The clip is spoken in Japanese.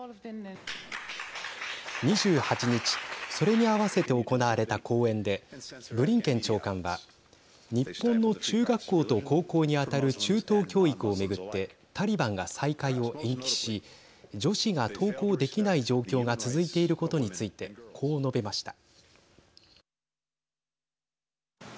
２８日それに合わせて行われた講演でブリンケン長官は日本の中学校と高校に当たる中等教育を巡ってタリバンが再開を延期し女子が登校できない状況が続いていることについてこう述べました。